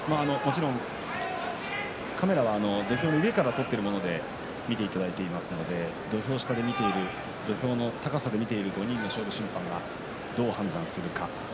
カメラは土俵の上から撮っているもので見ていただいていますので土俵の高さで見ている５人の勝負審判がどう判断するか。